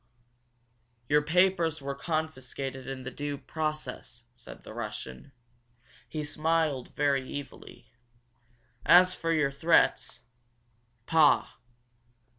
"Your papers were confiscated in due process," said the Russian. He smiled very evilly. "As for your threats pah!